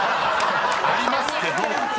［ありますけど］